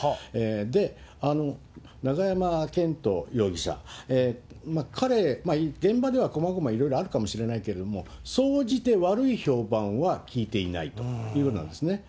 で、永山絢斗容疑者、彼、現場では細々いろいろあるかもしれないけど、総じて悪い評判は聞いていないというようなんですね。